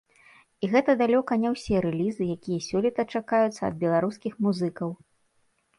І гэта далёка не ўсе рэлізы, якія сёлета чакаюцца ад беларускіх музыкаў.